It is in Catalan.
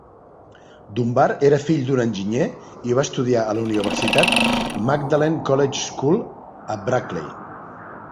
Dunbar era fill d'un enginyer i va estudiar a la universitat Magdalen College School, a Brackley.